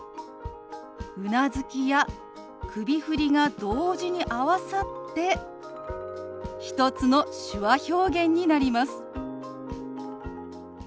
うなずきや首振りが同時に合わさって１つの手話表現になります。